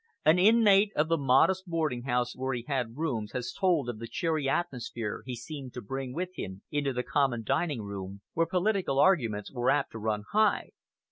An inmate of the modest boarding house where he had rooms has told of the cheery atmosphere he seemed to bring with him into the common dining room, where political arguments were apt to run high.